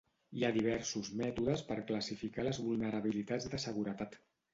Hi ha diversos mètodes per classificar les vulnerabilitats de seguretat.